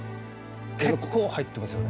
結構入ってますよね。